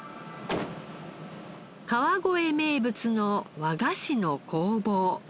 川越名物の和菓子の工房。